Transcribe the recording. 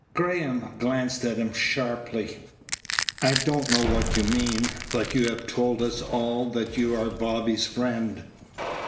Graham glanced at him sharply. "I don't know what you mean, but you have told us all that you are Bobby's friend."